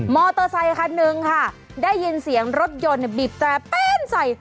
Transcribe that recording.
มอเตอร์ไซคันหนึ่งค่ะได้ยินเสียงรถยนต์บีบแป๊นใส่